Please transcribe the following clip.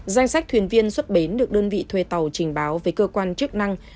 danh sách thuyền viên xuất bến được đơn vị thuê tàu trình báo với cơ quan chức năng